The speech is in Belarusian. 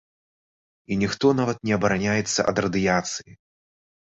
І ніхто нават не абараняецца ад радыяцыі.